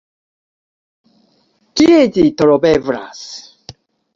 Kie ĝi troveblas?